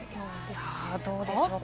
さあどうでしょうか。